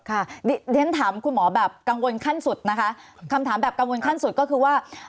เรียนถามคุณหมอแบบกังวลขั้นสุดนะคะคำถามแบบกังวลขั้นสุดก็คือว่า